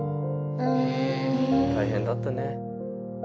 大変だったね。